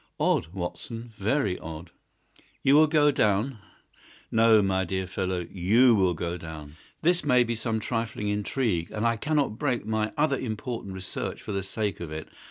Odd, Watson—very odd!" "You will go down?" "No, my dear fellow, YOU will go down. This may be some trifling intrigue, and I cannot break my other important research for the sake of it.